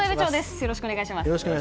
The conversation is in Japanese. よろしくお願いします。